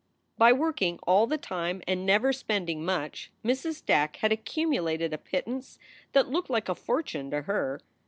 By working all the time and never spending much Mrs. Dack had accumulated a pittance that looked like a fortune to her.